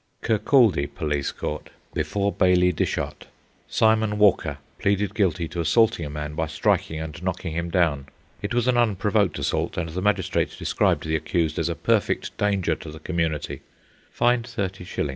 Kirkcaldy Police Court. Before Bailie Dishart. Simon Walker pleaded guilty to assaulting a man by striking and knocking him down. It was an unprovoked assault, and the magistrate described the accused as a perfect danger to the community. Fined 30s.